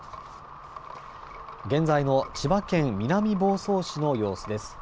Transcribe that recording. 現在の千葉県南房総市の様子です。